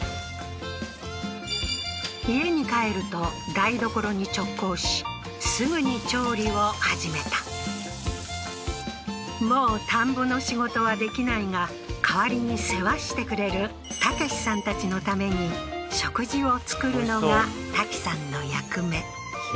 家に帰ると台所に直行しすぐに調理を始めたもう田んぼの仕事はできないが代わりに世話してくれる武さんたちのために食事を作るのがタキさんの役目